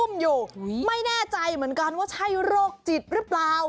ไม่แน่ใจเหมือนกันว่าใช่โรคจิตหรือเปล่า